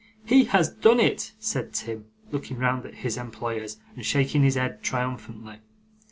'He has done it!' said Tim, looking round at his employers and shaking his head triumphantly.